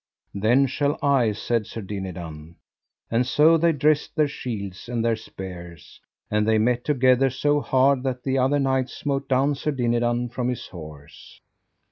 Then shall I, said Sir Dinadan. And so they dressed their shields and their spears, and they met together so hard that the other knight smote down Sir Dinadan from his horse.